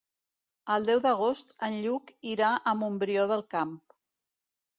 El deu d'agost en Lluc irà a Montbrió del Camp.